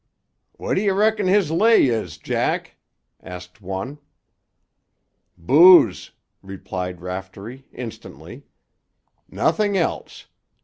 "What d'you reckon his lay is, Jack?" asked one. "Booze," replied Raftery instantly. "Nothing else.